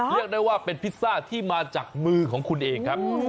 เรียกได้ว่าเป็นพิซซ่าที่มาจากมือของคุณเองครับ